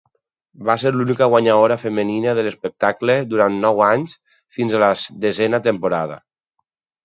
Va ser l'única guanyadora femenina de l'espectacle durant nou anys fins a la desena temporada.